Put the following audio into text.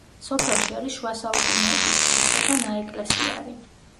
სოფელში არის შუა საუკუნეების ციხე და ნაეკლესიარი.